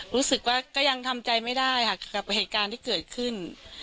รู้สึกว่าก็ยังทำใจไม่ได้ค่ะกับเหตุการณ์ที่เกิดขึ้น